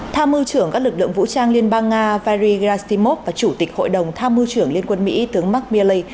tham mưu trưởng các lực lượng vũ trang liên bang nga varigastimov và chủ tịch hội đồng tham mưu trưởng liên quân mỹ tướng mark milley